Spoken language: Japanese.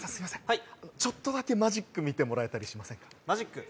はいちょっとだけマジック見てもらえたりしませんかマジック？